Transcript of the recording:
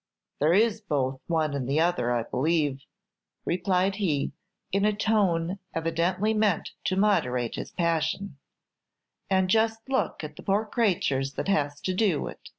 "There is both one and the other, I believe," replied he, in a tone evidently meant to moderate his passion; "and just look at the poor craytures that has to do it.